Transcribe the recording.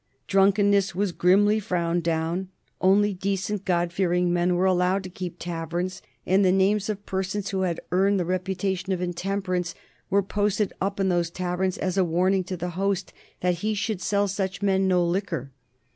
Drunkenness was grimly frowned down. Only decent, God fearing men were allowed to keep taverns, and the names of persons who had earned the reputation of intemperance were posted up in those taverns as a warning to the host that he should sell such men no liquor.